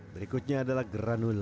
berikutnya adalah granula